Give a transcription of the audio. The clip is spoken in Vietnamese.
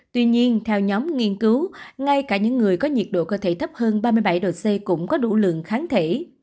tuy nhiên theo nhóm nghiên cứu ngay cả những người có nhiệt độ cơ thể thấp hơn ba mươi bảy độ c cũng có đủ lượng kháng thể